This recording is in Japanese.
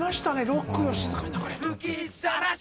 「ロックよ、静かに流れよ」。